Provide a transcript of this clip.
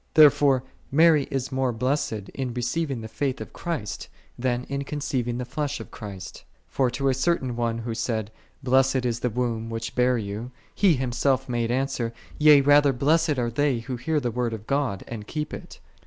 Therefore Mary is more blessed in receiving the faith of Christ, than in conceiving the flesh of Christ. For to a certain one who said, " Blessed is the womb, which bare Thee,'1 2 He Himself made answer, " Yea, rather, blessed are they who hear the Word of God, and keep it.'